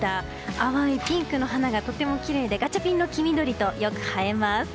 淡いピンクの花がとてもきれいでガチャピンの黄緑とよく映えます。